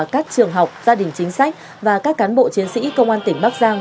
các trường học gia đình chính sách và các cán bộ chiến sĩ công an tỉnh bắc giang